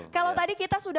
kepala bkk jury